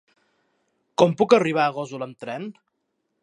Com puc arribar a Gósol amb tren?